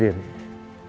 walaupun itu sendiri